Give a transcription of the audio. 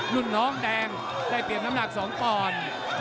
รุ่นน้องแดงได้เปรียบน้ำหนัก๒ปอนด์